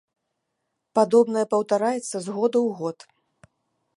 Падобнае паўтараецца з году ў год.